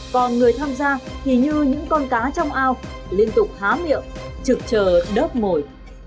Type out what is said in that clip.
còn người tham gia thì như những con cá trong ao liên tục há miệng trực chờ đớp mồi